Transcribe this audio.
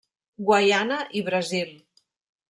Guaiana i Brasil.